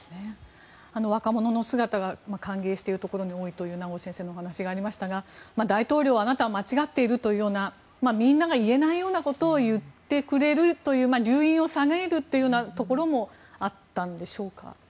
若者の姿歓迎しているところも多いという名越先生の話もありましたが大統領、あなたは間違ってるとみんなが言えないようなことを言ってくれる留飲を下げるところもあったんでしょうか。